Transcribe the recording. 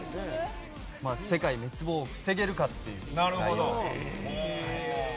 世界滅亡を防げるかという内容です。